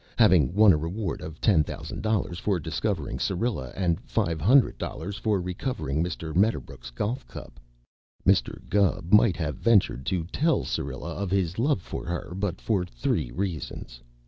Having won a reward of ten thousand dollars for discovering Syrilla and five hundred dollars for recovering Mr. Medderbrook's golf cup, Mr. Gubb might have ventured to tell Syrilla of his love for her but for three reasons.